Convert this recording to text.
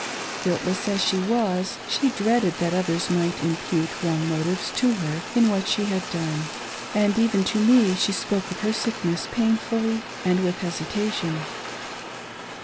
Guiltless as she was, she dreaded that others might impute wrong motives to her in what she had done ; and even to me she spoke of her sickness pain fully and with hesitation.